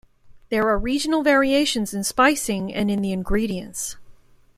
There are regional variations in spicing and in the ingredients.